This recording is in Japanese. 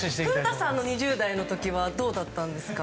古田さんの２０代の時はどうだったんですか？